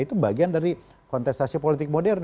itu bagian dari kontestasi politik modern